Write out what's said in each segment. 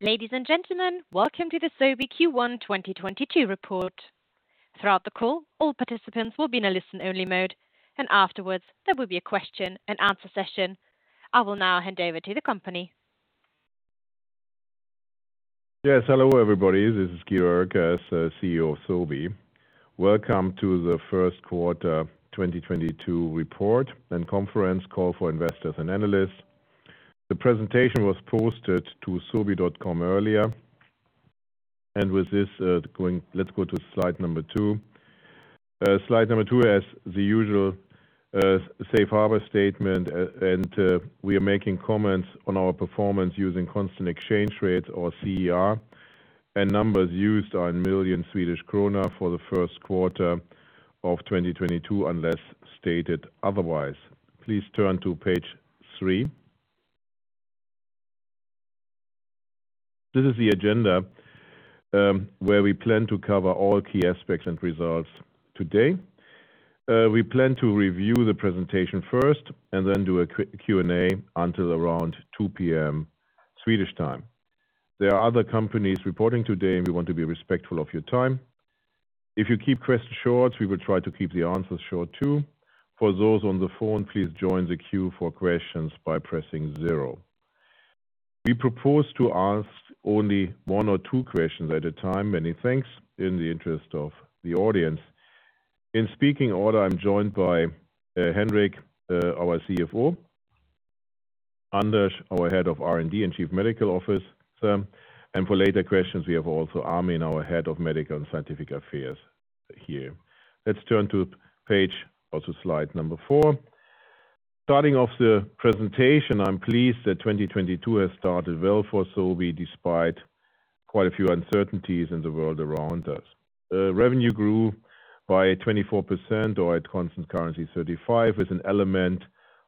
Ladies and gentlemen, welcome to the Sobi Q1 2022 report. Throughout the call, all participants will be in a listen-only mode, and afterwards there will be a question-and-answer session. I will now hand over to the company. Yes, hello, everybody. This is Guido Oelkers as the CEO of Sobi. Welcome to the First Quarter 2022 Report and Conference Call for Investors and Analysts. The presentation was posted to sobi.com earlier. With this, let's go to slide number two. Slide number two has the usual safe harbor statement. We are making comments on our performance using constant exchange rates or CER, and numbers used are in million Swedish Krona for the first quarter of 2022, unless stated otherwise. Please turn to page three. This is the agenda, where we plan to cover all key aspects and results today. We plan to review the presentation first and then do a Q&A until around 2:00 P.M. Swedish time. There are other companies reporting today, and we want to be respectful of your time. If you keep questions short, we will try to keep the answers short too. For those on the phone, please join the queue for questions by pressing zero. We propose to ask only one or two questions at a time, many thanks, in the interest of the audience. In speaking order, I'm joined by Henrik, our CFO, Anders, our head of R&D and Chief Medical Officer, and for later questions, we have also Armin, our head of Medical and Scientific Affairs here. Let's turn to slide number four. Starting off the presentation, I'm pleased that 2022 has started well for Sobi, despite quite a few uncertainties in the world around us. The revenue grew by 24% or at constant currency 35% as an element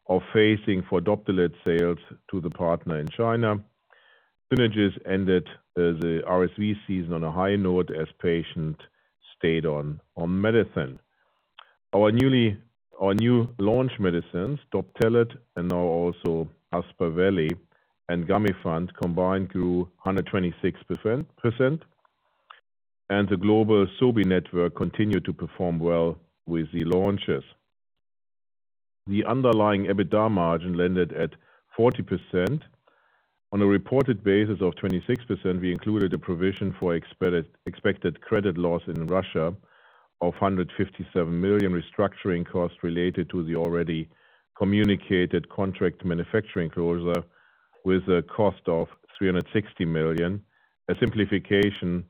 of phasing for Doptelet sales to the partner in China. Synagis ended the RSV season on a high note as patients stayed on medicine. Our new launch medicines, Doptelet and now also Aspaveli and Gamifant combined grew 126%, and the global Sobi network continued to perform well with the launches. The underlying EBITDA margin landed at 40%. On a reported basis of 26%, we included a provision for expected credit loss in Russia of 157 million restructuring costs related to the already communicated contract manufacturing closure with a cost of 360 million. A simplification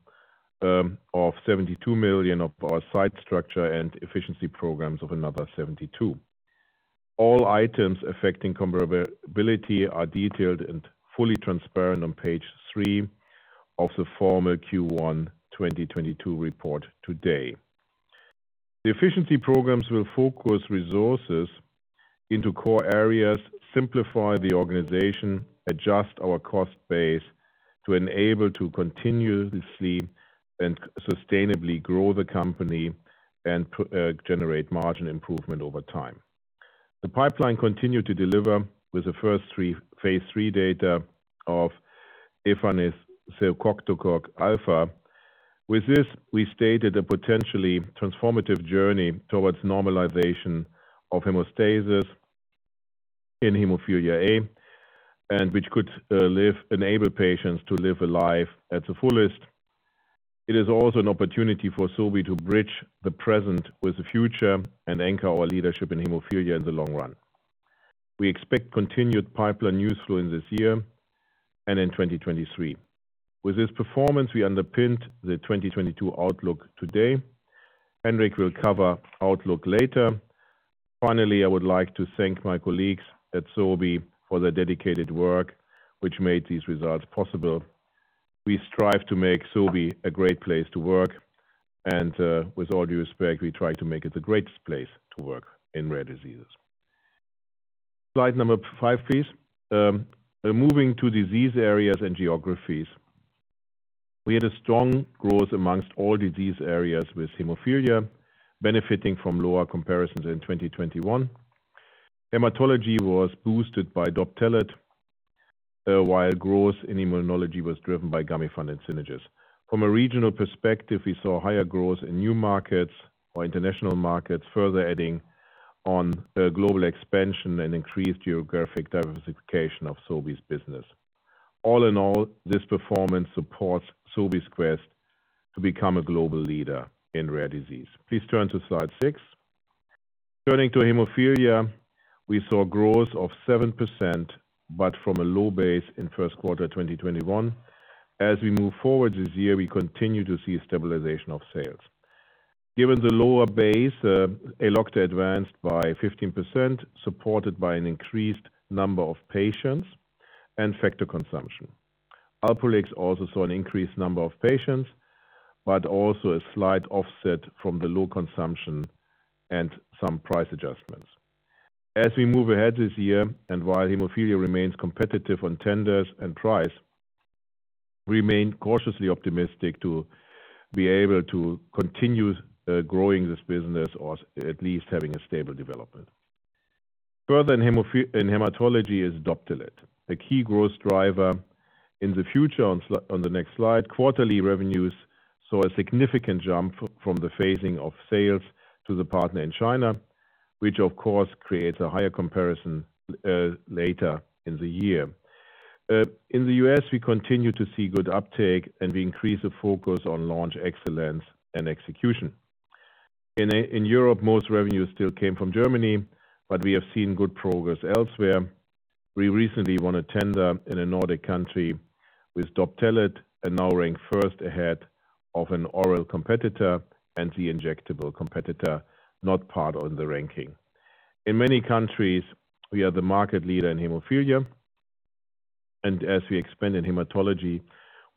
of 72 million of our site structure and efficiency programs of another 72 million. All items affecting comparability are detailed and fully transparent on page three of the formal Q1 2022 report today. The efficiency programs will focus resources into core areas, simplify the organization, adjust our cost base to enable to continuously and sustainably grow the company and, generate margin improvement over time. The pipeline continued to deliver with the first phase III data of efanesoctocog alfa. With this, we stated a potentially transformative journey towards normalization of hemostasis in hemophilia A, and which could, enable patients to live a life at the fullest. It is also an opportunity for Sobi to bridge the present with the future and anchor our leadership in hemophilia in the long run. We expect continued pipeline news flow in this year and in 2023. With this performance, we underpinned the 2022 outlook today. Henrik will cover outlook later. Finally, I would like to thank my colleagues at Sobi for their dedicated work, which made these results possible. We strive to make Sobi a great place to work and, with all due respect, we try to make it the greatest place to work in rare diseases. Slide number five, please. Moving to disease areas and geographies. We had a strong growth among all disease areas with hemophilia benefiting from lower comparisons in 2021. Hematology was boosted by Doptelet, while growth in immunology was driven by Gamifant and Synagis. From a regional perspective, we saw higher growth in new markets or international markets, further adding on global expansion and increased geographic diversification of Sobi's business. All in all, this performance supports Sobi's quest to become a global leader in rare disease. Please turn to slide six. Turning to hemophilia, we saw growth of 7%, but from a low base in first quarter 2021. As we move forward this year, we continue to see stabilization of sales. Given the lower base, Elocta advanced by 15%, supported by an increased number of patients and factor consumption. Alprolix also saw an increased number of patients, but also a slight offset from the low consumption and some price adjustments. As we move ahead this year, while hemophilia remains competitive on tenders and prices. Remain cautiously optimistic to be able to continue growing this business or at least having a stable development. Further in hematology is Doptelet, a key growth driver in the future. On the next slide, quarterly revenues saw a significant jump from the phasing of sales to the partner in China, which of course creates a higher comparison later in the year. In the U.S., we continue to see good uptake, and we increase the focus on launch excellence and execution. In Europe, most revenues still came from Germany, but we have seen good progress elsewhere. We recently won a tender in a Nordic country with Doptelet and now rank first ahead of an oral competitor and the injectable competitor not part of the ranking. In many countries, we are the market leader in hemophilia. As we expand in hematology,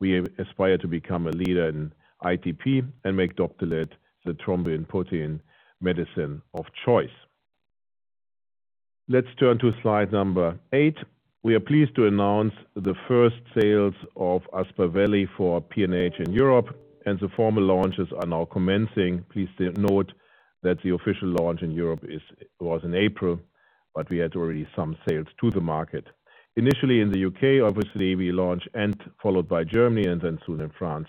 we aspire to become a leader in ITP and make Doptelet the thrombopoietin medicine of choice. Let's turn to slide number eight. We are pleased to announce the first sales of Aspaveli for PNH in Europe, and the formal launches are now commencing. Please note that the official launch in Europe was in April, but we had already some sales to the market. Initially in the U.K., obviously, we launched and followed by Germany and then soon in France.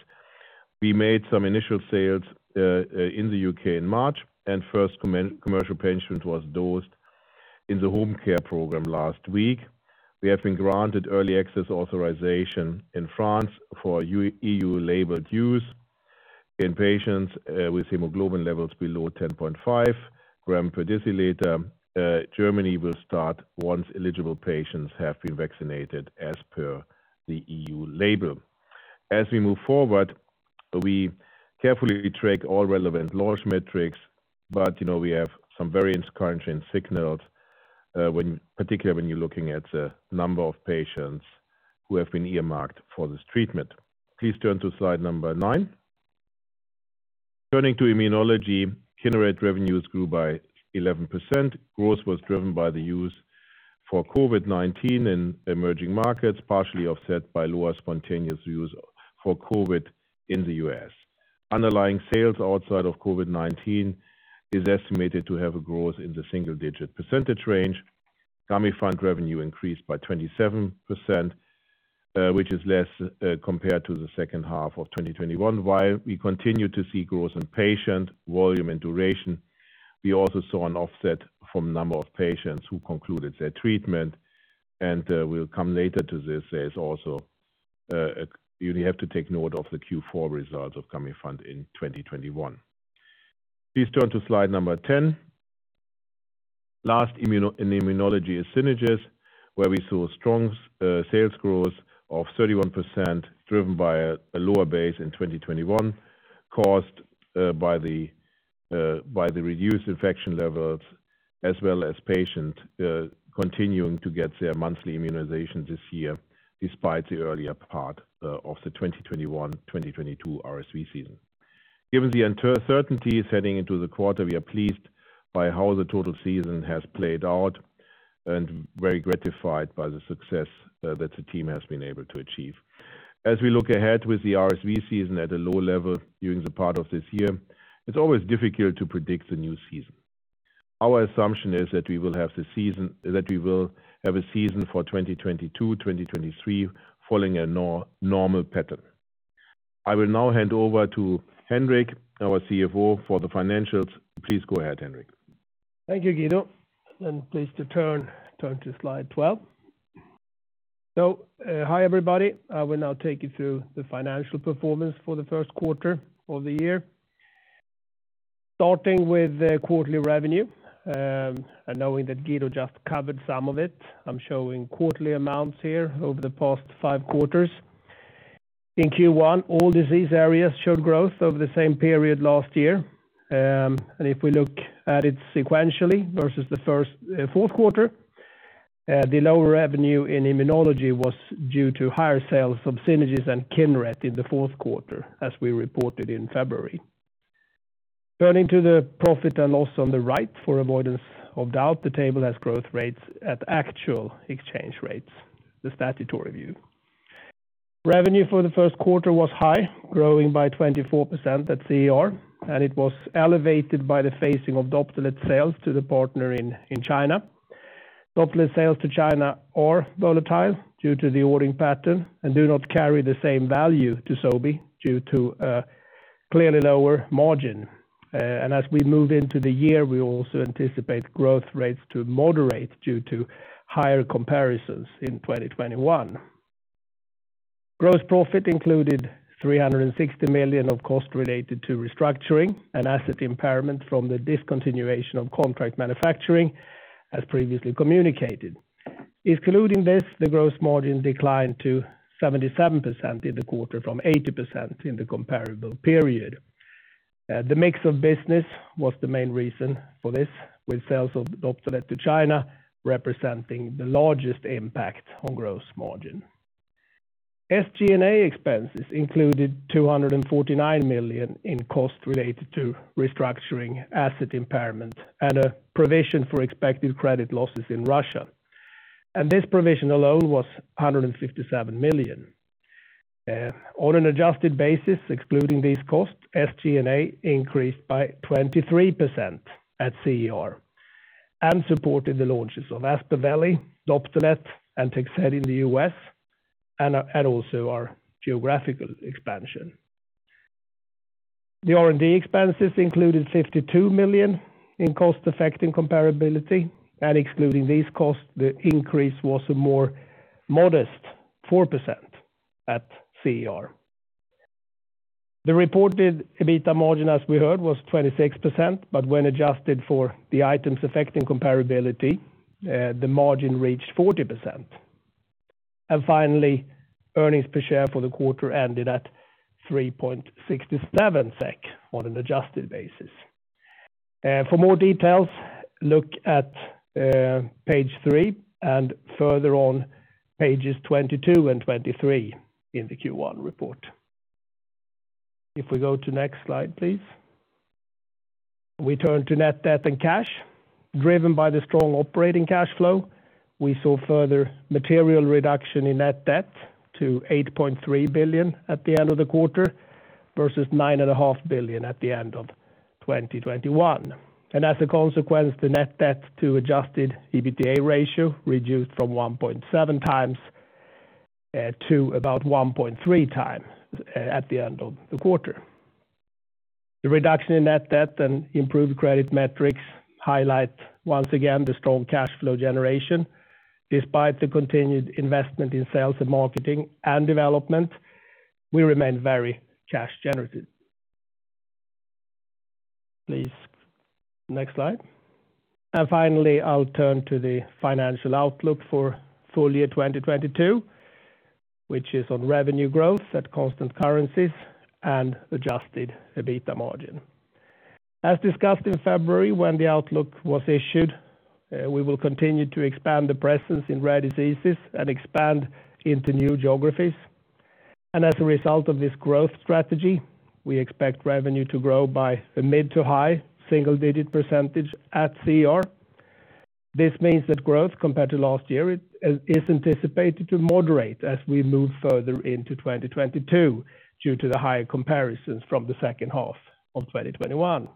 We made some initial sales in the U.K. in March, and first commercial patient was dosed in the home care program last week. We have been granted early access authorization in France for EU labeled use in patients with hemoglobin levels below 10.5 g per deciliter. Germany will start once eligible patients have been vaccinated as per the EU label. As we move forward, we carefully track all relevant launch metrics, but, you know, we have some very encouraging signals, particularly when you're looking at the number of patients who have been earmarked for this treatment. Please turn to slide number nine. Turning to immunology, Kineret revenues grew by 11%. Growth was driven by the use for COVID-19 in emerging markets, partially offset by lower spontaneous use for COVID in the U.S. Underlying sales outside of COVID-19 is estimated to have a growth in the single-digit percentage range. Gamifant revenue increased by 27%, which is less, compared to the second half of 2021. While we continue to see growth in patient volume and duration, we also saw an offset from number of patients who concluded their treatment, and, we'll come later to this. There's also, you have to take note of the Q4 results of Gamifant in 2021. Please turn to slide number 10. Last in immunology is Synagis, where we saw strong sales growth of 31%, driven by a lower base in 2021 caused by the reduced infection levels as well as patients continuing to get their monthly immunization this year despite the earlier part of the 2021-2022 RSV season. Given the uncertainty heading into the quarter, we are pleased by how the total season has played out and very gratified by the success that the team has been able to achieve. As we look ahead with the RSV season at a low level during the part of this year, it's always difficult to predict the new season. Our assumption is that we will have a season for 2022-2023 following a normal pattern. I will now hand over to Henrik, our CFO, for the financials. Please go ahead, Henrik. Thank you, Guido. I'm pleased to turn to slide 12. Hi, everybody. I will now take you through the financial performance for the first quarter of the year. Starting with the quarterly revenue, and knowing that Guido just covered some of it, I'm showing quarterly amounts here over the past five quarters. In Q1, all disease areas showed growth over the same period last year. If we look at it sequentially versus the fourth quarter, the lower revenue in immunology was due to higher sales of Synagis and Kineret in the fourth quarter, as we reported in February. Turning to the profit and loss on the right for avoidance of doubt, the table has growth rates at actual exchange rates, the statutory view. Revenue for the first quarter was high, growing by 24% at CER, and it was elevated by the phasing of Doptelet sales to the partner in China. Doptelet sales to China are volatile due to the ordering pattern and do not carry the same value to Sobi due to a clearly lower margin. As we move into the year, we also anticipate growth rates to moderate due to higher comparisons in 2021. Gross profit included 360 million of cost related to restructuring and asset impairment from the discontinuation of contract manufacturing, as previously communicated. Including this, the gross margin declined to 77% in the quarter from 80% in the comparable period. The mix of business was the main reason for this, with sales of Doptelet to China representing the largest impact on gross margin. SG&A expenses included 249 million in costs related to restructuring, asset impairment, and a provision for expected credit losses in Russia. This provision alone was 157 million. On an adjusted basis, excluding these costs, SG&A increased by 23% at CER and supported the launches of Aspaveli, Doptelet, and Tegsedi in the U.S. and also our geographical expansion. The R&D expenses included 52 million in costs affecting comparability. Excluding these costs, the increase was a more modest 4% at CER. The reported EBITDA margin, as we heard, was 26%, but when adjusted for the items affecting comparability, the margin reached 40%. Finally, earnings per share for the quarter ended at 3.67 SEK on an adjusted basis. For more details, look at page three and further on pages 22 and 23 in the Q1 report. If we go to next slide, please. We turn to net debt and cash. Driven by the strong operating cash flow, we saw further material reduction in net debt to 8.3 billion at the end of the quarter versus 9.5 billion at the end of 2021. As a consequence, the net debt to Adjusted EBITDA ratio reduced from 1.7x to about 1.3x at the end of the quarter. The reduction in net debt and improved credit metrics highlight once again the strong cash flow generation. Despite the continued investment in sales and marketing and development, we remain very cash generative. Please, next slide. Finally, I'll turn to the financial outlook for full year 2022, which is on revenue growth at constant currencies and Adjusted EBITDA margin. As discussed in February when the outlook was issued, we will continue to expand the presence in rare diseases and expand into new geographies. As a result of this growth strategy, we expect revenue to grow by a mid- to high single-digit percentage at CER. This means that growth compared to last year is anticipated to moderate as we move further into 2022 due to the higher comparisons from the second half of 2021.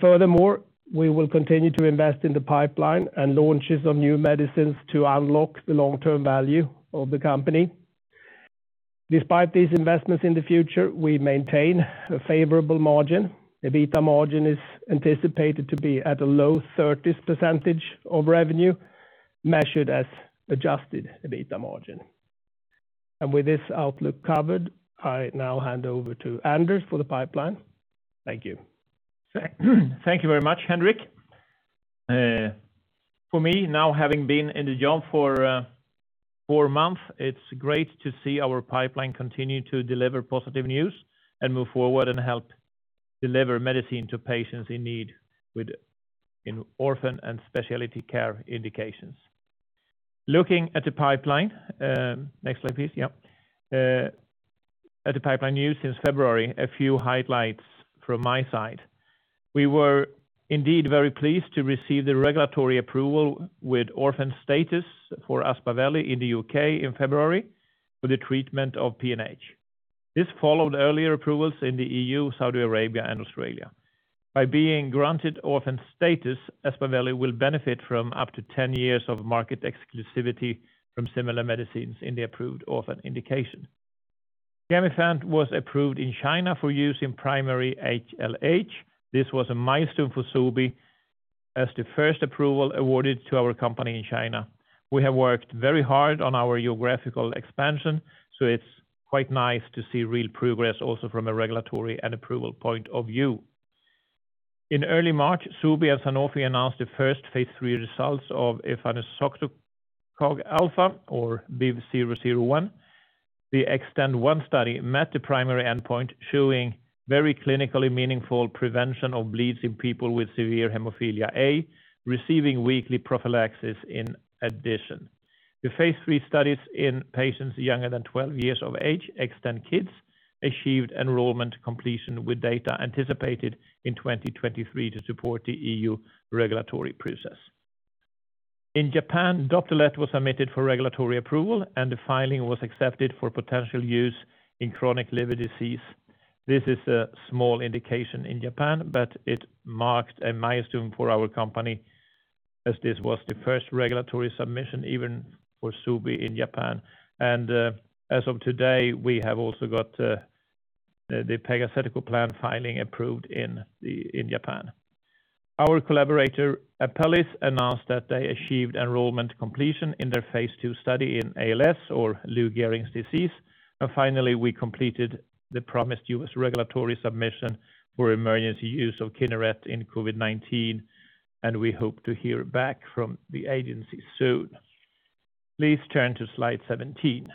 Furthermore, we will continue to invest in the pipeline and launches of new medicines to unlock the long-term value of the company. Despite these investments in the future, we maintain a favorable margin. EBITDA margin is anticipated to be at a low 30s% of revenue, measured as Adjusted EBITDA margin. With this outlook covered, I now hand over to Anders for the pipeline. Thank you. Thank you very much, Henrik. For me, now having been in the job for four months, it's great to see our pipeline continue to deliver positive news and move forward and help deliver medicine to patients in need in orphan and specialty care indications. Looking at the pipeline, next slide, please. At the pipeline news since February, a few highlights from my side. We were indeed very pleased to receive the regulatory approval with orphan status for Aspaveli in the U.K. in February for the treatment of PNH. This followed earlier approvals in the E.U., Saudi Arabia, and Australia. By being granted orphan status, Aspaveli will benefit from up to ten years of market exclusivity from similar medicines in the approved orphan indication. Gamifant was approved in China for use in primary HLH. This was a milestone for Sobi as the first approval awarded to our company in China. We have worked very hard on our geographical expansion, so it's quite nice to see real progress also from a regulatory and approval point of view. In early March, Sobi and Sanofi announced the first phase III results of efanesoctocog alfa or BIVV001. The XTEND-1 study met the primary endpoint, showing very clinically meaningful prevention of bleeds in people with severe hemophilia A receiving weekly prophylaxis in addition. The phase III studies in patients younger than 12 years of age, XTEND-Kids, achieved enrollment completion with data anticipated in 2023 to support the EU regulatory process. In Japan, Doptelet was submitted for regulatory approval, and the filing was accepted for potential use in chronic liver disease. This is a small indication in Japan, but it marked a milestone for our company, as this was the first regulatory submission even for Sobi in Japan. As of today, we have also got the pegcetacoplan filing approved in Japan. Our collaborator, Apellis, announced that they achieved enrollment completion in their phase II study in ALS or Lou Gehrig's disease. Finally, we completed the promised U.S. regulatory submission for emergency use of Kineret in COVID-19, and we hope to hear back from the agency soon. Please turn to slide 17.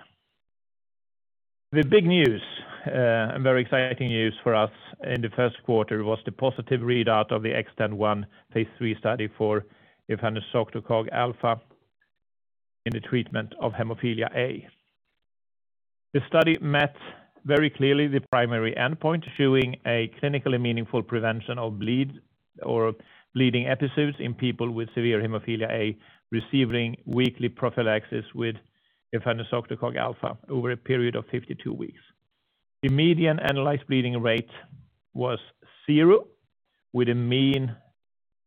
The big news and very exciting news for us in the first quarter was the positive readout of the XTEND-1 phase III study for efanesoctocog alfa in the treatment of hemophilia A. The study met very clearly the primary endpoint, showing a clinically meaningful prevention of bleeds or bleeding episodes in people with severe hemophilia A receiving weekly prophylaxis with efanesoctocog alfa over a period of 52 weeks. The median analyzed bleeding rate was zero, with a mean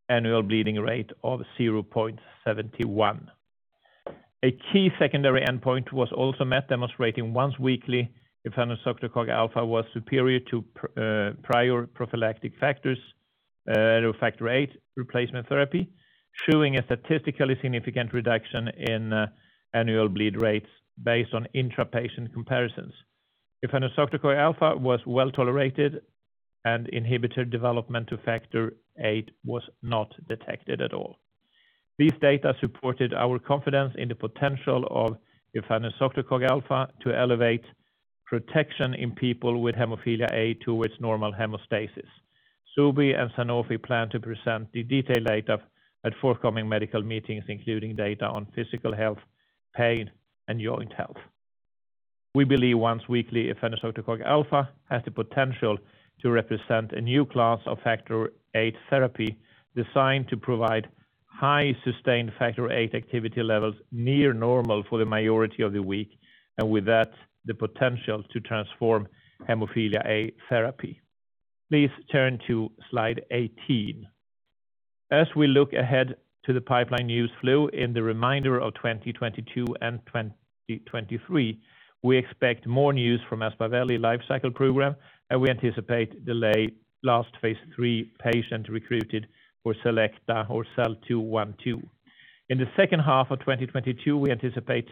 annual bleeding rate of 0.71. A key secondary endpoint was also met, demonstrating once-weekly efanesoctocog alfa was superior to prior prophylactic factors to factor VIII replacement therapy, showing a statistically significant reduction in annual bleed rates based on intra-patient comparisons. Efaneseoctocog alfa was well-tolerated and inhibitor development to factor VIII was not detected at all. These data supported our confidence in the potential of efanesoctocog alfa to elevate protection in people with hemophilia A towards normal hemostasis. Sobi and Sanofi plan to present the detailed data at forthcoming medical meetings, including data on physical health, pain, and joint health. We believe once-weekly efanesoctocog alfa has the potential to represent a new class of factor VIII therapy designed to provide high sustained factor VIII activity levels near normal for the majority of the week, and with that, the potential to transform hemophilia A therapy. Please turn to slide 18. We look ahead to the pipeline news flow in the remainder of 2022 and 2023. We expect more news from Aspaveli life-cycle program, and we anticipate the last phase III patient recruited for Selecta’s SEL-212. In the second half of 2022, we anticipate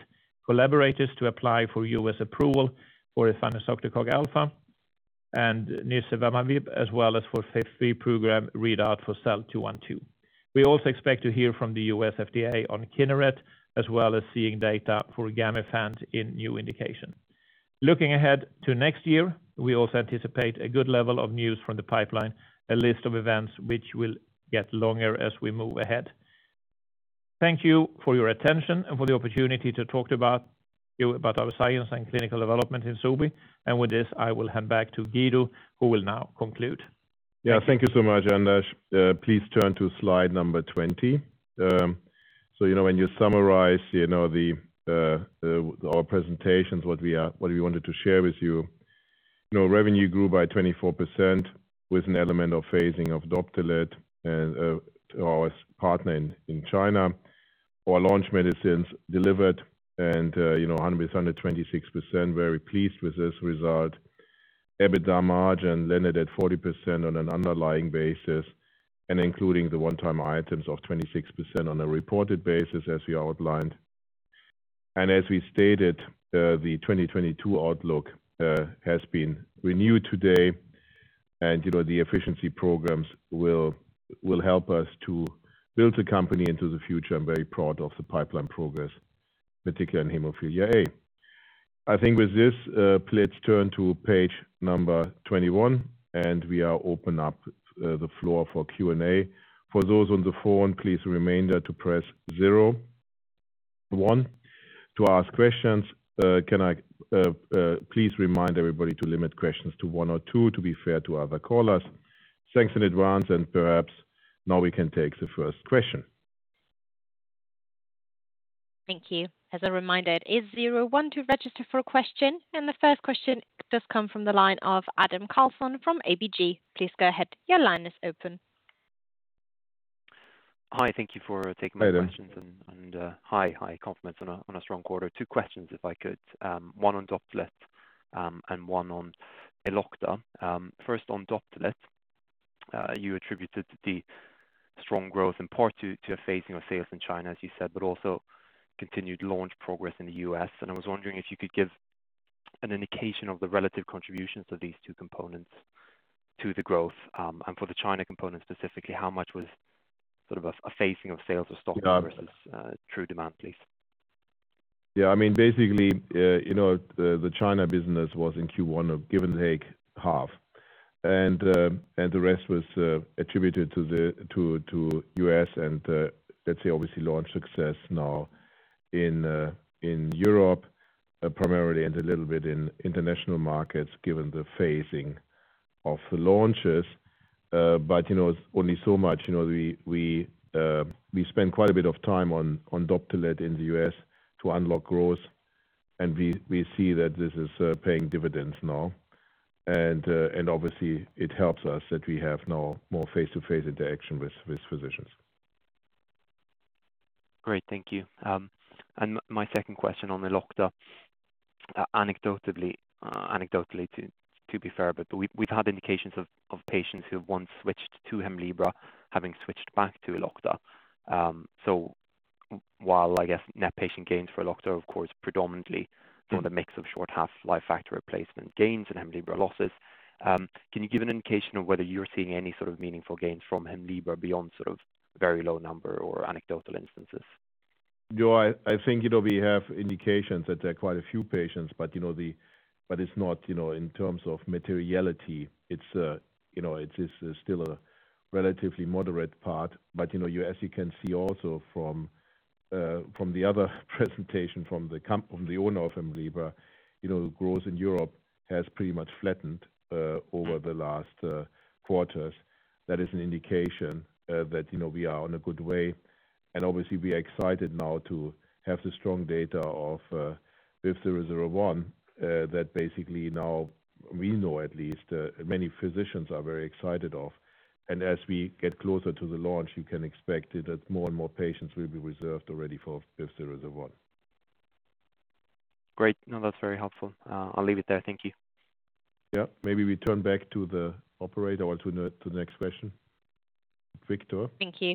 collaborators to apply for U.S. approval for efanesoctocog alfa and nirsevimab as well as for phase III program readout for SEL-212. We also expect to hear from the U.S. FDA on Kineret, as well as seeing data for Gamifant in new indication. Looking ahead to next year, we also anticipate a good level of news from the pipeline, a list of events which will get longer as we move ahead. Thank you for your attention and for the opportunity to talk about our science and clinical development in Sobi. With this, I will hand back to Guido, who will now conclude. Yeah. Thank you so much, Anders. Please turn to slide number 20. So, you know, when you summarize, you know, our presentations, what we wanted to share with you. You know, revenue grew by 24% with an element of phasing of Doptelet and to our partner in China. Our launch medicines delivered and, you know, R&D is under 26%. Very pleased with this result. EBITDA margin landed at 40% on an underlying basis and including the one-time items of 26% on a reported basis, as we outlined. As we stated, the 2022 outlook has been renewed today. You know, the efficiency programs will help us to build the company into the future. I'm very proud of the pipeline progress, particularly in hemophilia A. I think with this, please turn to page 21, and we are opening up the floor for Q&A. For those on the phone, please remain there to press zero one to ask questions. Can I please remind everybody to limit questions to one or two to be fair to other callers. Thanks in advance and perhaps now we can take the first question. Thank you. As a reminder, it is zero one to register for a question. The first question does come from the line of Adam Karlsson from ABG. Please go ahead. Your line is open. Hi. Thank you for taking my questions. Hi there. Hi. Compliments on a strong quarter. Two questions if I could, one on Doptelet, and one on Elocta. First on Doptelet, you attributed the strong growth in part to a phasing of sales in China, as you said, but also continued launch progress in the U.S. I was wondering if you could give an indication of the relative contributions of these two components to the growth. For the China component specifically, how much was sort of a phasing of sales or stocking- Yeah. Versus, true demand, please? Yeah. I mean, basically, you know, the China business was in Q1 give or take half. The rest was attributed to the U.S.And, let's say, obviously launch success now in Europe, primarily and a little bit in international markets given the phasing of the launches. You know, it's only so much. You know, we spend quite a bit of time on Doptelet in the U.S. to unlock growth, and we see that this is paying dividends now. Obviously it helps us that we have now more face-to-face interaction with physicians. Great. Thank you. My second question on Elocta. Anecdotally, to be fair a bit, we've had indications of patients who have once switched to Hemlibra having switched back to Elocta. While I guess net patient gains for Elocta are of course predominantly. Mm-hmm. For the mix of short half-life factor replacement gains and Hemlibra losses, can you give an indication of whether you're seeing any sort of meaningful gains from Hemlibra beyond sort of very low number or anecdotal instances? No, I think, you know, we have indications that there are quite a few patients. You know, but it's not, you know, in terms of materiality, it's, you know, it's still a relatively moderate part. You know, you, as you can see also from the other presentation from the owner of Hemlibra, you know, growth in Europe has pretty much flattened over the last quarters. That is an indication that, you know, we are on a good way. Obviously we are excited now to have the strong data of BIVV001 that basically now we know at least many physicians are very excited of. As we get closer to the launch, you can expect it that more and more patients will be reserved already for BIVV001. Great. No, that's very helpful. I'll leave it there. Thank you. Yeah. Maybe we turn back to the operator or to the next question. Viktor. Thank you.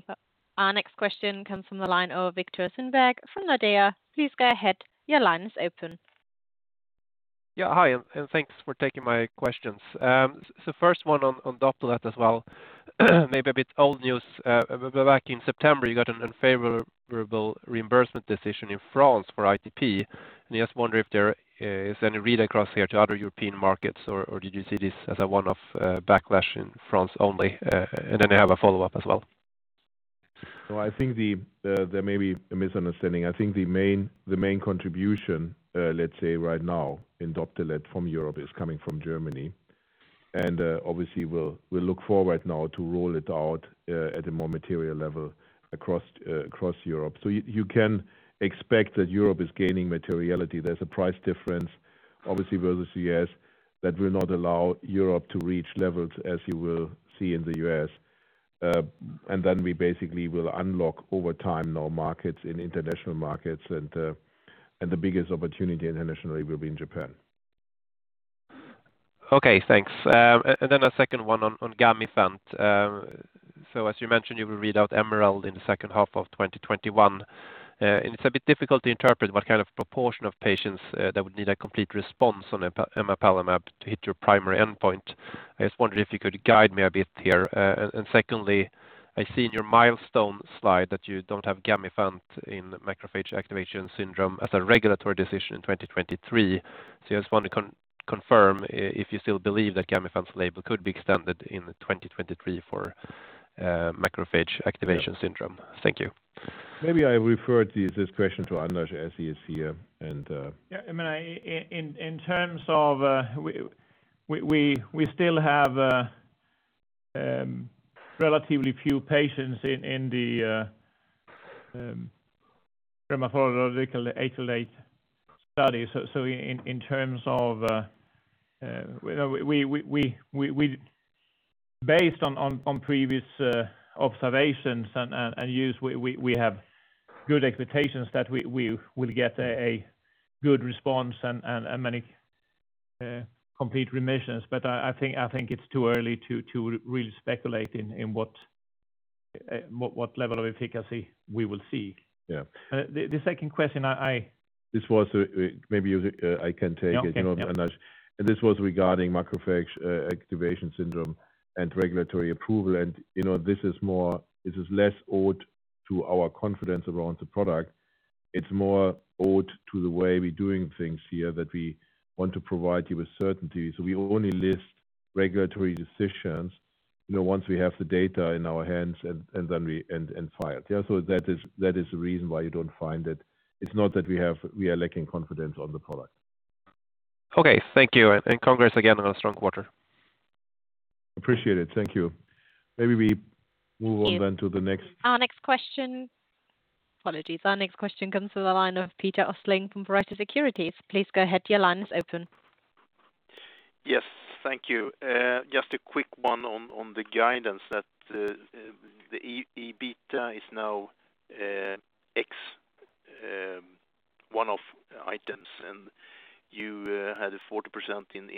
Our next question comes from the line of Viktor Sundberg from Nordea. Please go ahead. Your line is open. Yeah. Hi, and thanks for taking my questions. So first one on Doptelet as well. Maybe a bit old news. Back in September, you got an unfavorable reimbursement decision in France for ITP. I just wonder if there is any read-across here to other European markets, or did you see this as a one-off backlash in France only? Then I have a follow-up as well. I think there may be a misunderstanding. I think the main contribution, let's say right now in Doptelet from Europe is coming from Germany. Obviously, we look forward now to roll it out at a more material level across Europe. You can expect that Europe is gaining materiality. There's a price difference, obviously, versus U.S. that will not allow Europe to reach levels as you will see in the U.S. We basically will unlock over time new markets in international markets. The biggest opportunity internationally will be in Japan. Okay, thanks. Then a second one on Gamifant. So as you mentioned, you will read out MEDLEY in the second half of 2021. It's a bit difficult to interpret what kind of proportion of patients that would need a complete response on emapalumab to hit your primary endpoint. I just wondered if you could guide me a bit here. Secondly, I see in your milestone slide that you don't have Gamifant in macrophage activation syndrome as a regulatory decision in 2023. I just want to confirm if you still believe that Gamifant's label could be extended in 2023 for macrophage activation syndrome. Thank you. Maybe I refer this question to Anders as he is here and, Yeah, I mean, in terms of, we still have relatively few patients in the hematological isolate study. In terms of, you know, we based on previous observations and use, we have good expectations that we will get a good response and many complete remissions. I think it's too early to really speculate in what level of efficacy we will see. Yeah. The second question. This was, maybe you, I can take it. Yeah. Okay. Yeah. You know, Anders. This was regarding macrophage activation syndrome and regulatory approval. You know, this is less owed to our confidence around the product. It's more owed to the way we're doing things here that we want to provide you with certainty. We only list regulatory decisions, you know, once we have the data in our hands and then we file. Yeah. That is the reason why you don't find it. It's not that we are lacking confidence on the product. Okay. Thank you. Congrats again on a strong quarter. Appreciate it. Thank you. Maybe we move on then to the next. Our next question. Apologies. Our next question comes to the line of Peter Östling from Pareto Securities. Please go ahead. Your line is open. Yes. Thank you. Just a quick one on the guidance that the EBITDA is now ex one-off items, and you had a 40% in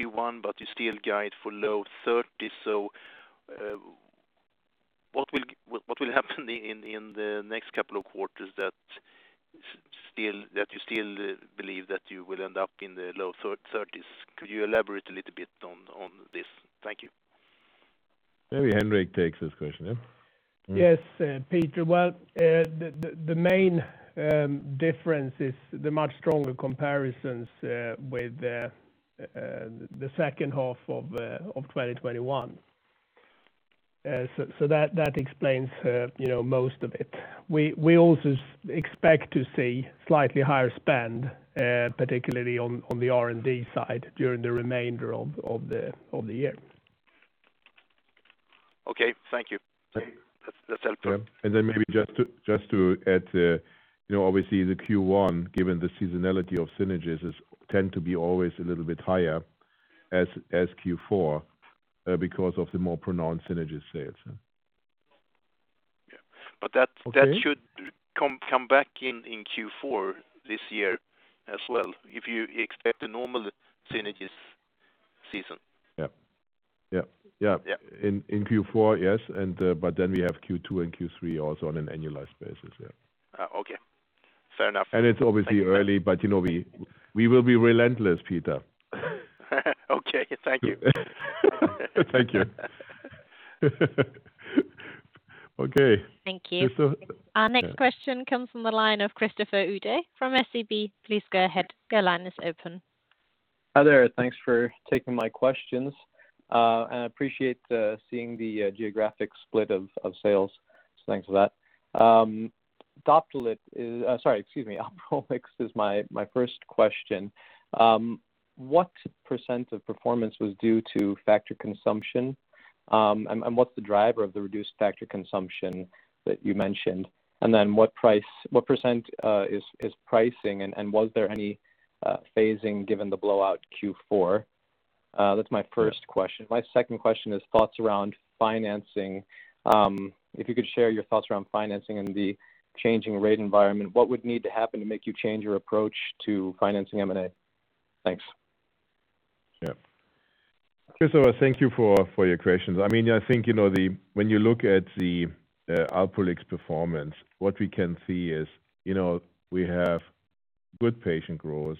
Q1, but you still guide for low 30s%. What will happen in the next couple of quarters that you still believe that you will end up in the low 30s%? Could you elaborate a little bit on this? Thank you. Maybe Henrik takes this question. Yeah. Yes, Peter. Well, the main difference is the much stronger comparisons with the second half of 2021. That explains, you know, most of it. We also expect to see slightly higher spend, particularly on the R&D side during the remainder of the year. Okay. Thank you. Thank you. That, that's helpful. Maybe just to add, you know, obviously the Q1, given the seasonality of Synagis, is tend to be always a little bit higher as Q4, because of the more pronounced Synagis sales. Yeah. Yeah. Okay. That should come back in Q4 this year as well if you expect a normal Synagis season. Yeah. Yeah. Yeah. Yeah. In Q4, yes, but then we have Q2 and Q3 also on an annualized basis, yeah. Okay. Fair enough. It's obviously early, but, you know, we will be relentless, Peter. Okay. Thank you. Thank you. Okay. Thank you. So- Our next question comes from the line of Christopher Uhde from SEB. Please go ahead. Your line is open. Hi there. Thanks for taking my questions, and I appreciate seeing the geographic split of sales, so thanks for that. Alprolix is my first question. What percent of performance was due to factor consumption? And what's the driver of the reduced factor consumption that you mentioned? And then what percent is pricing and was there any phasing given the blowout Q4? That's my first question. My second question is thoughts around financing. If you could share your thoughts around financing and the changing rate environment, what would need to happen to make you change your approach to financing M&A? Thanks. Yeah. Christopher, thank you for your questions. I mean, I think, you know, when you look at the Alprolix performance, what we can see is, you know, we have good patient growth.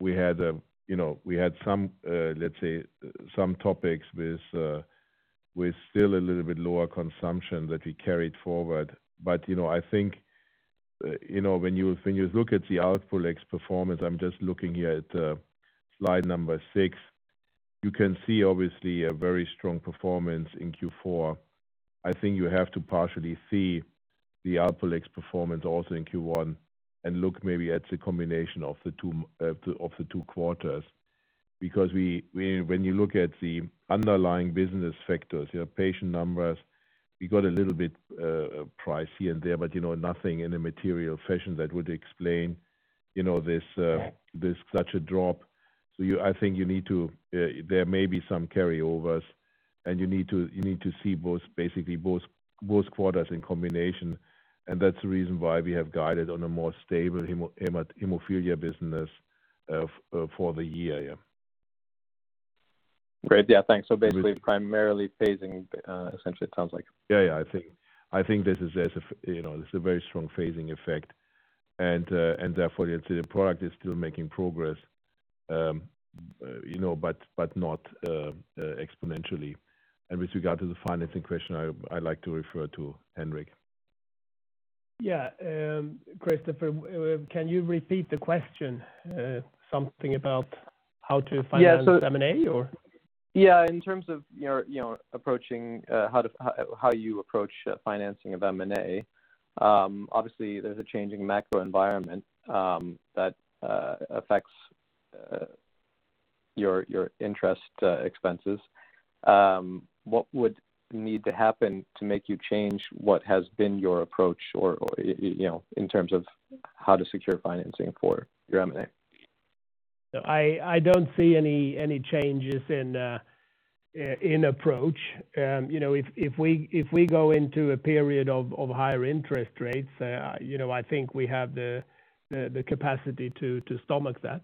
We had some, let's say, some topics with still a little bit lower consumption that we carried forward. You know, I think, you know, when you look at the Alprolix performance, I'm just looking here at slide number six. You can see obviously a very strong performance in Q4. I think you have to partially see the Alprolix performance also in Q1 and look maybe at the combination of the two quarters. Because we, when you look at the underlying business factors, you know, patient numbers, we got a little bit, price here and there, but, you know, nothing in a material fashion that would explain, you know, this such a drop. I think you need to, there may be some carryovers, and you need to see both quarters in combination. That's the reason why we have guided on a more stable hemophilia business for the year, yeah. Great. Yeah, thanks. Basically primarily phasing, essentially it sounds like. Yeah. I think this is as if, you know, this is a very strong phasing effect. Therefore the product is still making progress, you know, but not exponentially. With regard to the financing question, I like to refer to Henrik. Yeah. Christopher, can you repeat the question? Something about how to finance M&A or? Yeah. In terms of your, you know, approaching how you approach financing of M&A, obviously there's a changing macro environment that affects your interest expenses. What would need to happen to make you change what has been your approach or you know in terms of how to secure financing for your M&A? I don't see any changes in approach. You know, if we go into a period of higher interest rates, you know, I think we have the capacity to stomach that.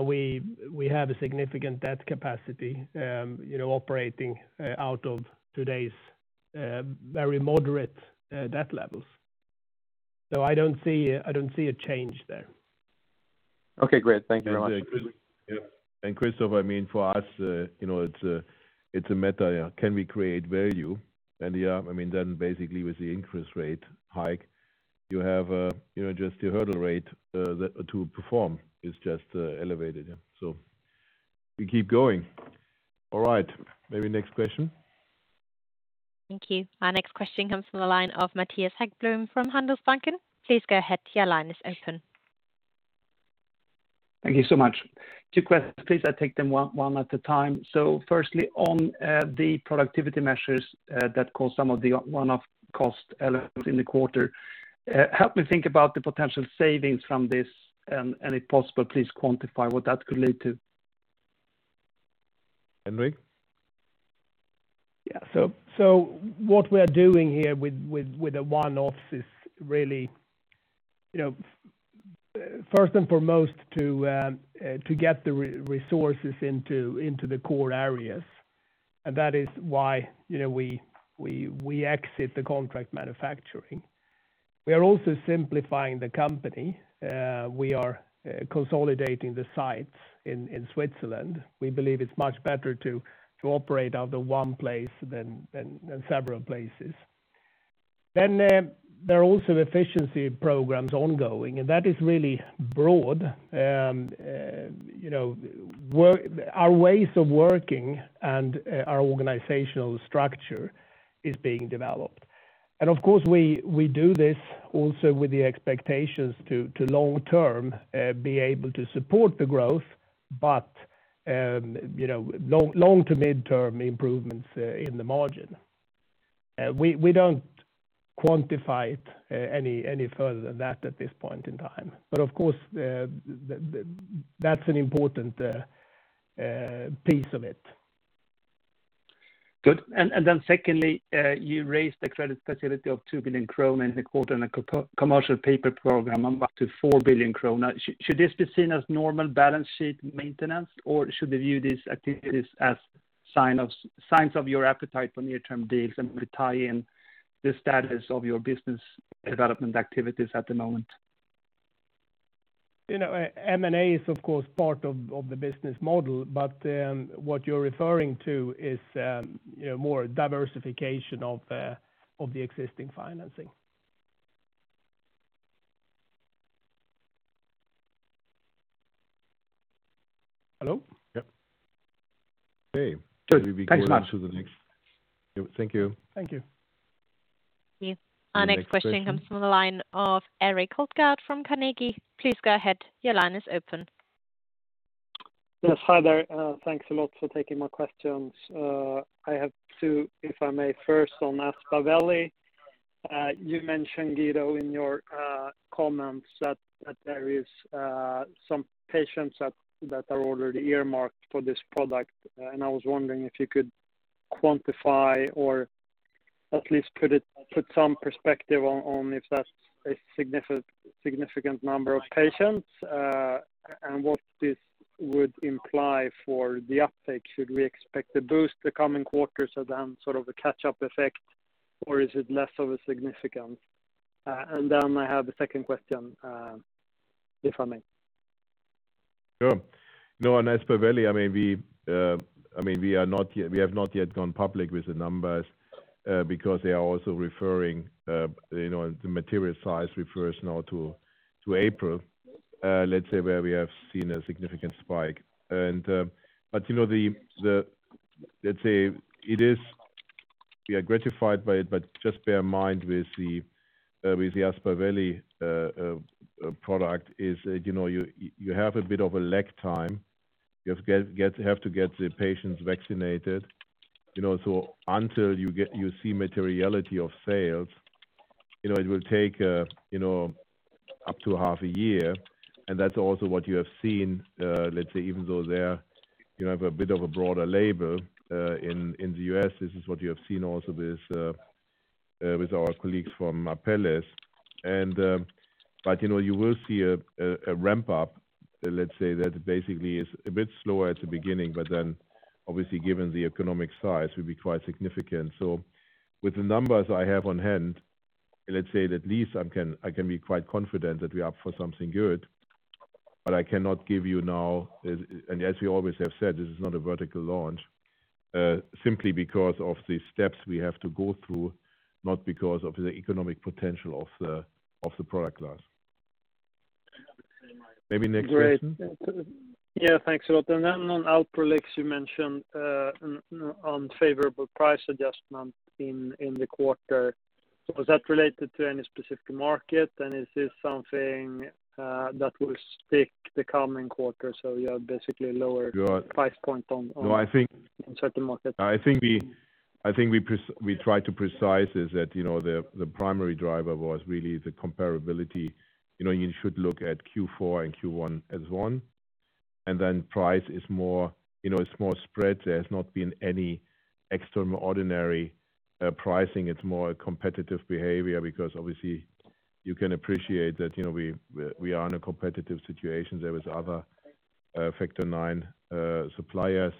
We have a significant debt capacity, you know, operating out of today's very moderate debt levels. I don't see a change there. Okay, great. Thank you very much. Yeah. Christopher, I mean, for us, you know, it's a matter, can we create value? Yeah, I mean, then basically with the interest rate hike, you have, you know, just your hurdle rate that to perform is just elevated. We keep going. All right. Maybe next question. Thank you. Our next question comes from the line of Mattias Häggblom from Handelsbanken. Please go ahead, your line is open. Thank you so much. Two questions, please take them one at a time. Firstly, on the productivity measures that caused some of the one-off cost elements in the quarter, help me think about the potential savings from this, and if possible, please quantify what that could lead to. Henrik. Yeah. What we are doing here with the one-offs is really, you know, first and foremost to get the resources into the core areas. That is why, you know, we exit the contract manufacturing. We are also simplifying the company. We are consolidating the sites in Switzerland. We believe it's much better to operate out of the one place than several places. There are also efficiency programs ongoing, and that is really broad. You know, our ways of working and our organizational structure is being developed. Of course, we do this also with the expectations to long-term be able to support the growth, but, you know, long- to mid-term improvements in the margin. We don't quantify it any further than that at this point in time. Of course, that's an important piece of it. Good. Then secondly, you raised the credit facility of 2 billion krona in the quarter and a commercial paper program up to 4 billion krona. Should this be seen as normal balance sheet maintenance, or should we view these activities as signs of your appetite for near-term deals and tie in the status of your business development activities at the moment? You know, M&A is of course part of the business model, but what you're referring to is, you know, more diversification of the existing financing. Hello? Yep. Okay. Good. Thanks a lot. Maybe we go on to the next. Thank you. Thank you. Thank you. The next question. Our next question comes from the line of Erik Hultgård from Carnegie. Please go ahead. Your line is open. Yes. Hi there. Thanks a lot for taking my questions. I have two, if I may. First on Aspaveli. You mentioned, Guido, in your comments that there is some patients that are already earmarked for this product. I was wondering if you could quantify or at least put some perspective on if that's a significant number of patients, and what this would imply for the uptake. Should we expect to boost the coming quarters and then sort of a catch-up effect, or is it less of a significance? I have a second question, if I may. Sure. No, on Aspaveli, I mean we have not yet gone public with the numbers, because they are also referring, you know, the material size refers now to April, let's say, where we have seen a significant spike. But you know, let's say it is. We are gratified by it, but just bear in mind with the Aspaveli product is, you know, you have a bit of a lag time. You have to get the patients vaccinated. You know, so until you see materiality of sales, you know, it will take, you know, up to half a year. That's also what you have seen, let's say, even though they're, you have a bit of a broader label in the U.S. This is what you have seen also with our colleagues from Apellis. You know, you will see a ramp-up, let's say, that basically is a bit slower at the beginning, but then obviously, given the economic size, will be quite significant. With the numbers I have on hand, let's say that at least I can be quite confident that we are up for something good. I cannot give you now. As we always have said, this is not a vertical launch, simply because of the steps we have to go through, not because of the economic potential of the product class. Maybe next question. Great. Yeah, thanks a lot. On Alprolix, you mentioned on favorable price adjustment in the quarter. Is that related to any specific market? Is this something that will stick the coming quarter, so you have basically lower- Yeah. -price point on- No, I think. in certain markets. I think we tried to emphasize that, you know, the primary driver was really the comparability. You know, you should look at Q4 and Q1 as one, and then price is more, you know, it's more spread. There has not been any extraordinary pricing. It's more a competitive behavior because obviously you can appreciate that, you know, we are in a competitive situation. There is other factor IX suppliers.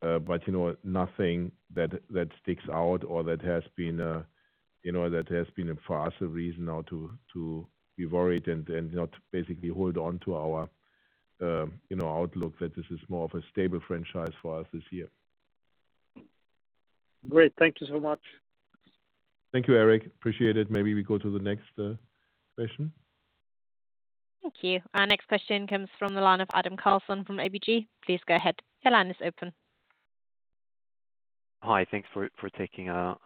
But, you know, nothing that sticks out or that has been for us a reason now to be worried and not basically hold on to our outlook that this is more of a stable franchise for us this year. Great. Thank you so much. Thank you, Erik Hultgård. Appreciate it. Maybe we go to the next question. Thank you. Our next question comes from the line of Adam Karlsson from ABG. Please go ahead. Your line is open. Hi. Thanks for taking a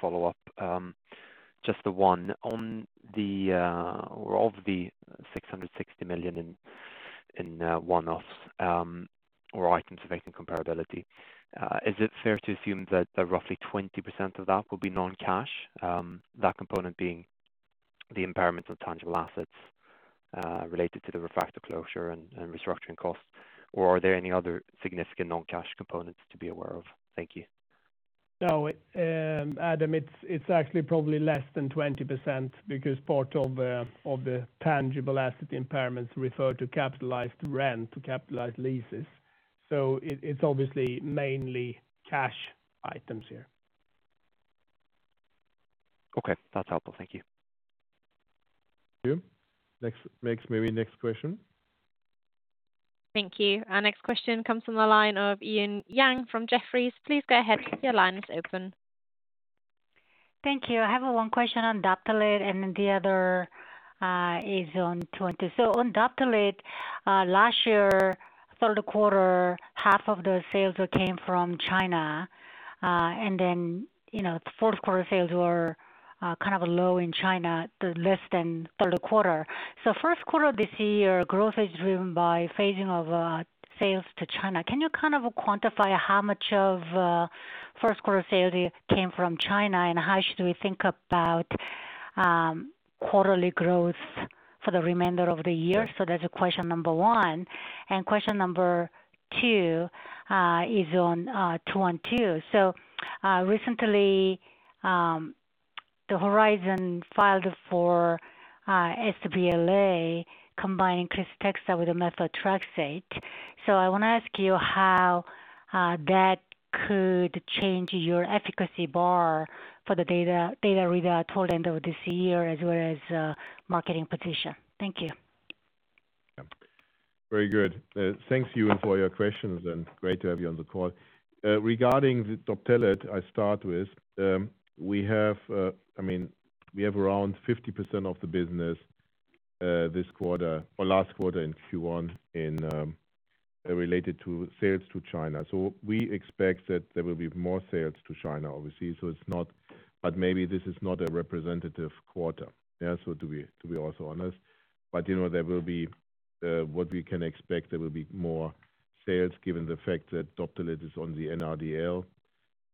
follow-up. Just the one. On the 660 million in one-offs or items affecting comparability, is it fair to assume that roughly 20% of that will be non-cash, that component being the impairment of tangible assets related to the ReFacto closure and restructuring costs? Or are there any other significant non-cash components to be aware of? Thank you. No, Adam, it's actually probably less than 20% because part of the tangible asset impairments refer to capitalized rent to capitalized leases. So it's obviously mainly cash items here. Okay. That's helpful. Thank you. Thank you. Next, maybe next question. Thank you. Our next question comes from the line of Eun Yang from Jefferies. Please go ahead. Your line is open. Thank you. I have one question on Doptelet and then the other is on SEL-212. On Doptelet, last year, third quarter, half of the sales came from China. Then, you know, fourth quarter sales were kind of low in China, less than third quarter. First quarter this year, growth is driven by phasing of sales to China. Can you kind of quantify how much of first quarter sales came from China? How should we think about quarterly growth for the remainder of the year? That's question number one. Question number two is on SEL-212. Recently, Horizon Therapeutics filed for sBLA, combining KRYSTEXXA with methotrexate. I wanna ask you how that could change your efficacy bar for the data read-out toward end of this year as well as marketing petition. Thank you. Yeah. Very good. Thanks, Eun, for your questions and great to have you on the call. Regarding the Doptelet, I start with, we have, I mean, we have around 50% of the business this quarter or last quarter in Q1 related to sales to China. We expect that there will be more sales to China, obviously. Maybe this is not a representative quarter. Yeah. To be also honest. You know, there will be what we can expect there will be more sales given the fact that Doptelet is on the NRDL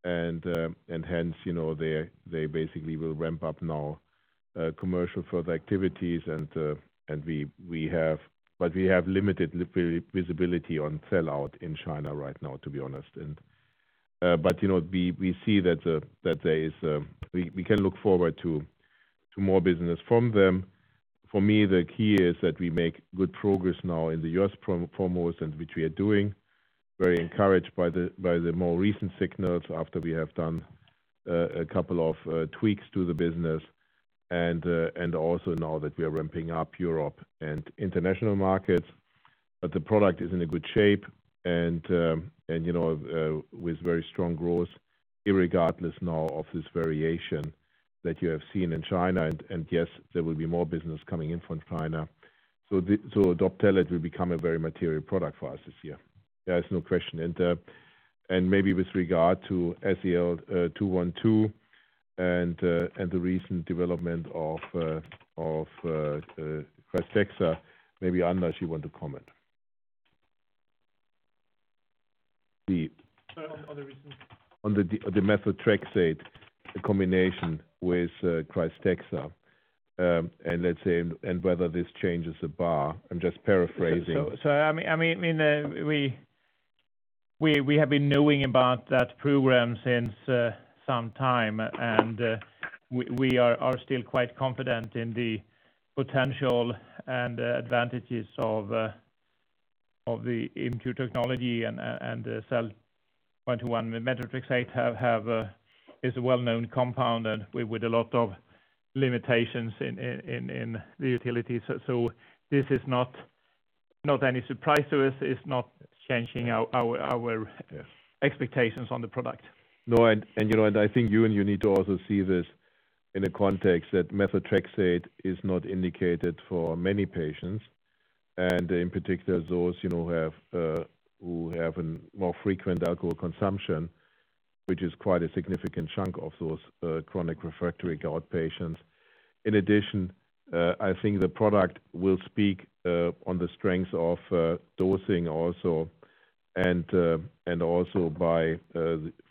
and hence, you know, they basically will ramp up now commercial activities and we have limited visibility on sell-out in China right now, to be honest. You know, we see that we can look forward to more business from them. For me, the key is that we make good progress now in the U.S., foremost and which we are doing. Very encouraged by the more recent signals after we have done a couple of tweaks to the business and also now that we are ramping up Europe and international markets. The product is in a good shape and, you know, with very strong growth irregardless now of this variation that you have seen in China. Yes, there will be more business coming in from China. Doptelet will become a very material product for us this year. There is no question. Maybe with regard to SEL-212 and the recent development of KRYSTEXXA, maybe Anders, you want to comment. The- Sorry. On the recent On the methotrexate combination with KRYSTEXXA, and let's say and whether this changes the bar. I'm just paraphrasing. I mean, we have been knowing about that program since some time, and we are still quite confident in the potential and advantages of the ImmTOR technology and the SEL-212 with methotrexate is a well-known compound and with a lot of limitations in the utility. This is not any surprise to us. It's not changing our- Yes our expectations on the product. No. You know, I think, Eun, you need to also see this in a context that methotrexate is not indicated for many patients, and in particular, those, you know, who have a more frequent alcohol consumption, which is quite a significant chunk of those chronic refractory gout patients. In addition, I think the product will speak on the strengths of dosing also and also by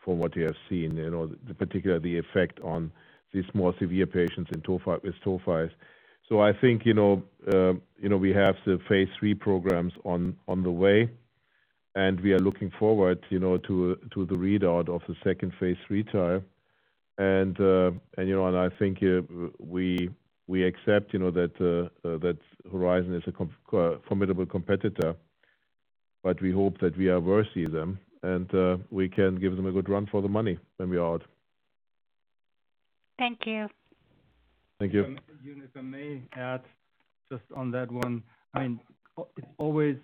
from what you have seen, you know, the effect on these more severe patients with tophi. I think, you know, we have the phase III programs on the way, and we are looking forward, you know, to the readout of the second phase III trial. You know, I think we accept, you know, that Horizon is a formidable competitor, but we hope that we are worthy of them and we can give them a good run for the money when we are out. Thank you. Thank you. Eun, if I may add just on that one. I mean, it's always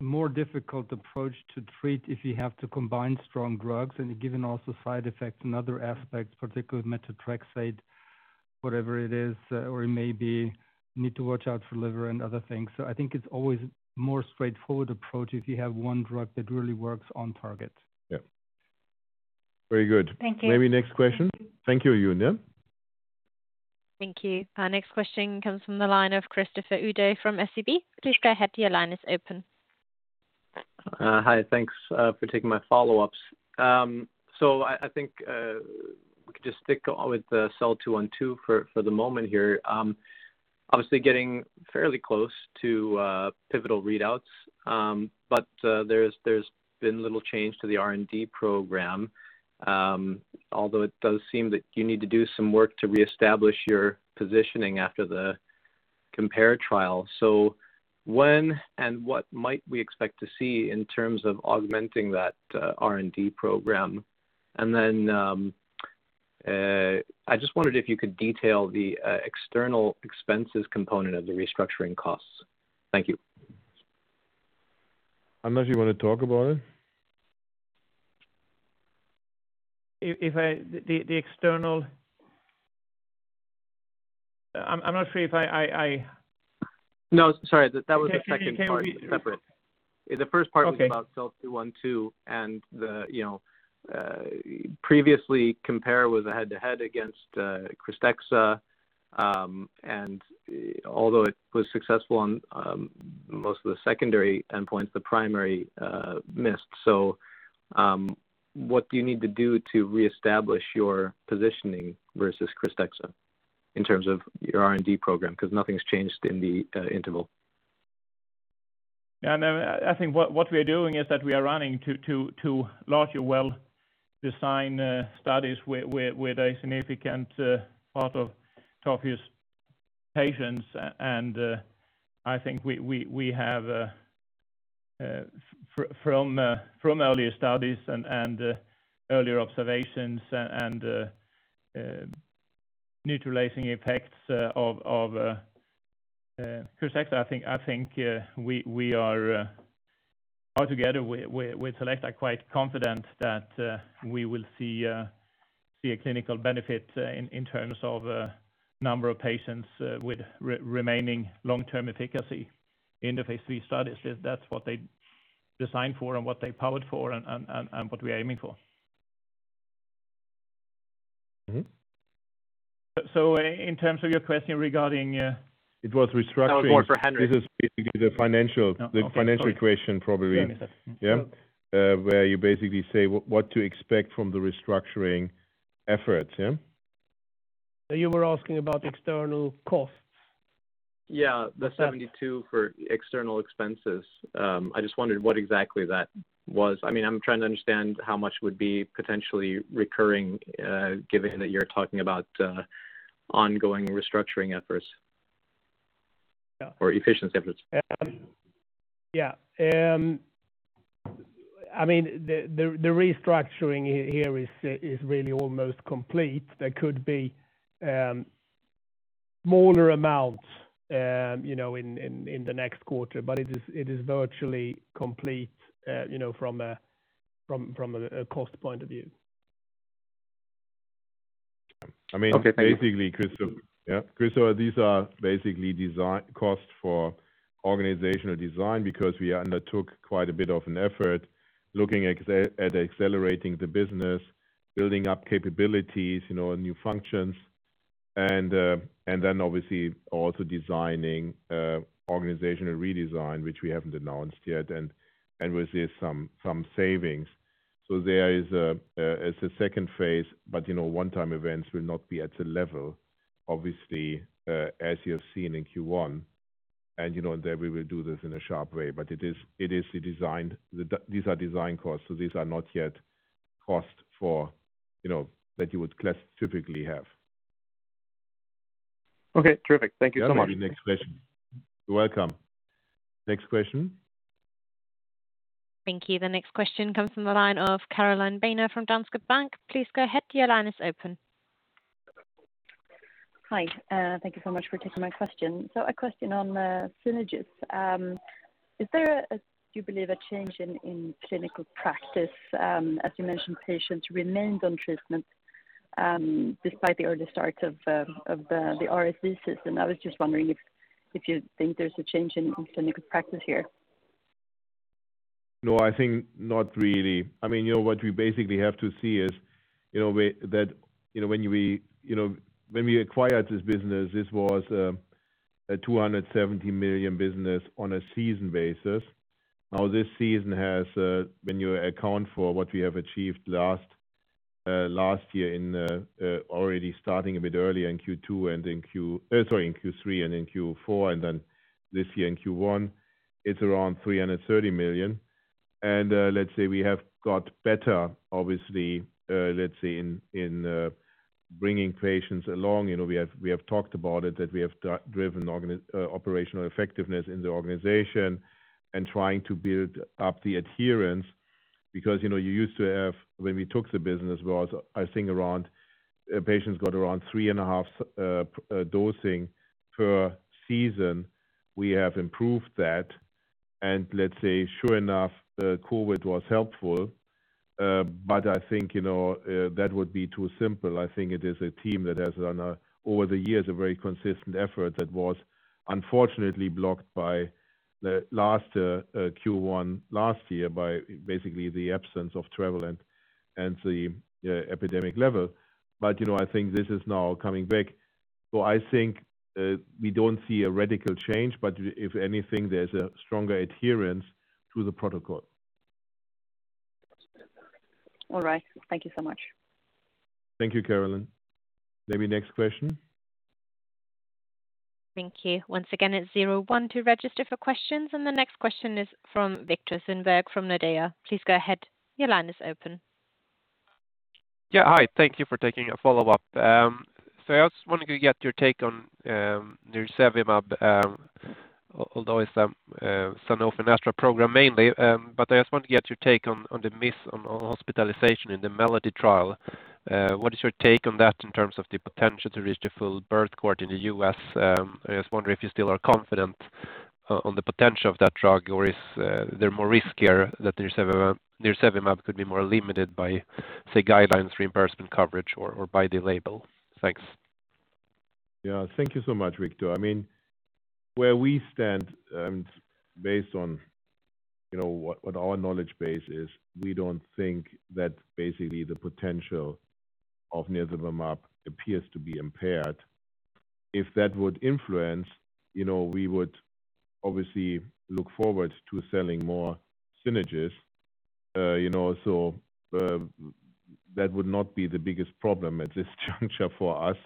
more difficult approach to treat if you have to combine strong drugs and given also side effects and other aspects, particularly with methotrexate, whatever it is, or it may be need to watch out for liver and other things. I think it's always more straightforward approach if you have one drug that really works on target. Yeah. Very good. Thank you. Maybe next question. Thank you, Eun, yeah. Thank you. Our next question comes from the line of Christopher Uhde from SEB. Please go ahead. Your line is open. Hi. Thanks for taking my follow-ups. I think we could just stick with the SEL-212 for the moment here. Obviously getting fairly close to pivotal readouts, but there's been little change to the R&D program. Although it does seem that you need to do some work to reestablish your positioning after the COMPARE trial. When and what might we expect to see in terms of augmenting that R&D program? And then I just wondered if you could detail the external expenses component of the restructuring costs. Thank you. Anders, you want to talk about it? I'm not sure if I No. Sorry. That was the second part. Can we? Separate. The first part. Okay was about SEL-212 and then previously COMPARE was a head-to-head against KRYSTEXXA. Although it was successful on most of the secondary endpoints, the primary missed. What do you need to do to reestablish your positioning versus KRYSTEXXA in terms of your R&D program? Because nothing's changed in the interval. Yeah. No. I think what we are doing is that we are running two larger well-designed studies with a significant part of tophi patients. I think we have from earlier studies and earlier observations and neutralizing effects of KRYSTEXXA. I think we are all together with Selecta quite confident that we will see a clinical benefit in terms of number of patients with remaining long-term efficacy in the phase III studies. If that's what they designed for and what they powered for and what we're aiming for. Mm-hmm. In terms of your question regarding, It was restructuring. That was more for Henrik. This is basically the financial. Oh, okay. Sorry. The financial question probably. Sorry. Yes, yes. Yeah, where you basically say what to expect from the restructuring efforts, yeah. You were asking about external costs. Yeah, the 72 for external expenses. I just wondered what exactly that was. I mean, I'm trying to understand how much would be potentially recurring, given that you're talking about ongoing restructuring efforts. Yeah. Efficiency efforts. Yeah. I mean, the restructuring here is really almost complete. There could be smaller amounts, you know, in the next quarter, but it is virtually complete, you know, from a cost point of view. Okay. Thank you. I mean, basically, Christoffer. Yeah. Kristoffer, these are basically design costs for organizational design because we undertook quite a bit of an effort looking at accelerating the business, building up capabilities, you know, new functions, and then obviously also designing organizational redesign, which we haven't announced yet, and with this some savings. So there is a phase II, but, you know, one-time events will not be at a level, obviously, as you have seen in Q1, and, you know, there we will do this in a sharp way. But it is designed. These are design costs, so these are not yet costs for, you know, that you would typically classify as. Okay. Terrific. Thank you so much. Yeah. Maybe next question. You're welcome. Next question. Thank you. The next question comes from the line of Caroline Banér from Danske Bank. Please go ahead. Your line is open. Hi. Thank you so much for taking my question. A question on Synagis. Do you believe a change in clinical practice, as you mentioned, patients remained on treatment despite the early start of the RSV season? I was just wondering if you think there's a change in clinical practice here. No, I think not really. I mean, you know, what we basically have to see is, you know, that, you know, when we, you know, when we acquired this business, this was a 270 million business on a seasonal basis. Now, this season has, when you account for what we have achieved last year in already starting a bit earlier in Q3 and in Q4, and then this year in Q1, it's around 330 million. Let's say we have got better, obviously, let's say in bringing patients along. You know, we have talked about it, that we have driven operational effectiveness in the organization and trying to build up the adherence because, you know, you used to have when we took the business was, I think around, patients got around 3.5 dosing per season. We have improved that. Let's say, sure enough, COVID was helpful. I think, you know, that would be too simple. I think it is a team that has done, over the years, a very consistent effort that was unfortunately blocked by the last Q1 last year by basically the absence of travel and the epidemic level. You know, I think this is now coming back. I think, we don't see a radical change, but if anything, there's a stronger adherence to the protocol. All right. Thank you so much. Thank you, Caroline. Maybe next question. Thank you. Once again, it's zero one to register for questions. The next question is from Viktor Sundberg from Nordea. Please go ahead. Your line is open. Yeah. Hi. Thank you for taking a follow-up. So I just wanted to get your take on nirsevimab, although it's Sanofi-AstraZeneca program mainly. I just wanted to get your take on the miss on hospitalization in the MELODY trial. What is your take on that in terms of the potential to reach the full birth cohort in the U.S.? I was wondering if you still are confident on the potential of that drug, or is there more risk here that nirsevimab could be more limited by, say, guidelines, reimbursement coverage, or by the label? Thanks. Yeah. Thank you so much, Viktor. I mean, where we stand, based on, you know, what our knowledge base is, we don't think that basically the potential of nirsevimab appears to be impaired. If that would influence, you know, we would obviously look forward to selling more Synagis, you know, that would not be the biggest problem at this juncture for us,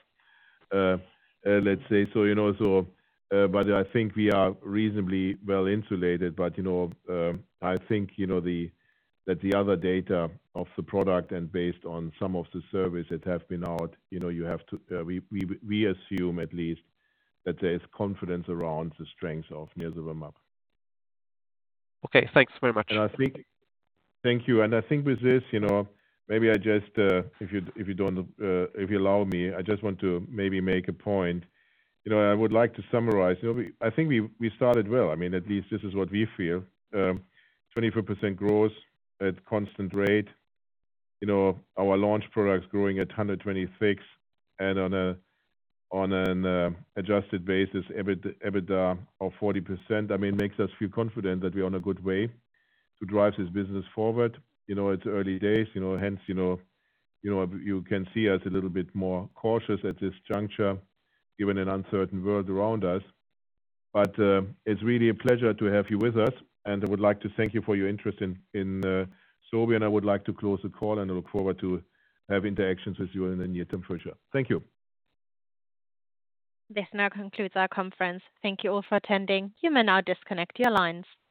let's say. You know, I think we are reasonably well insulated. You know, I think, you know, that the other data of the product and based on some of the surveys that have been out, you know, you have to, we assume at least that there is confidence around the strength of nirsevimab. Okay. Thanks very much. I think. Thank you. Thank you. I think with this, you know, maybe I just, if you don't, if you allow me, I just want to maybe make a point. You know, I would like to summarize. You know, I think we started well. I mean, at least this is what we feel. 24% growth at constant rate. You know, our launch products growing at 126% and on an adjusted basis, EBITDA of 40%, I mean, makes us feel confident that we're on a good way to drive this business forward. You know, it's early days, you know, hence, you know, you can see us a little bit more cautious at this juncture, given an uncertain world around us. It's really a pleasure to have you with us, and I would like to thank you for your interest in Sobi, and I would like to close the call, and I look forward to have interactions with you in the near term future. Thank you. This now concludes our conference. Thank you all for attending. You may now disconnect your lines.